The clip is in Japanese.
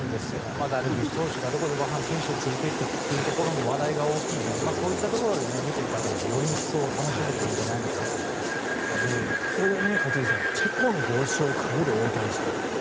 ダルビッシュ選手がほかの選手をご飯を連れていったという話題も大きいのでそういったところを見ている方もより一層楽しめているとここで一茂さんチェコの帽子をかぶる大谷さん。